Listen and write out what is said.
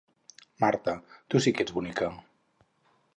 Marta, tu sí que ets bonica.